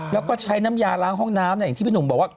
แล้วก็ใช้น้ำยาล้างห้องน้ำอย่างที่พี่หนุ่มบอกว่า